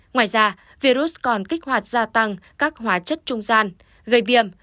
ngoài ra virus còn kích hoạt gia tăng các hóa chất trung gian gây viêm